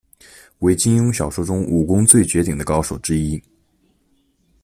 为金庸小说中武功最绝顶的高手之一。